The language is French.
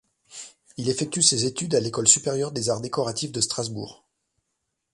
Il effectue ses études à l'École supérieure des arts décoratifs de Strasbourg.